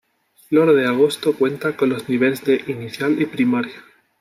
Flor de Agosto cuenta con los niveles de inicial y primaria.